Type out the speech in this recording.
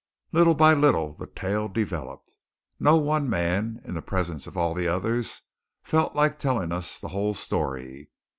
Little by little the tale developed. No one man, in the presence of all the others, felt like telling us the whole story.